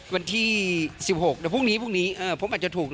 วันที่๑๖พรุ่งนี้มาลุ้นกันนะคะท่านผู้ชม